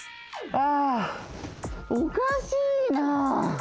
ああおかしいな。